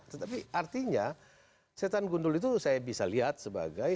tetapi artinya setan gundul itu saya bisa lihat sebagai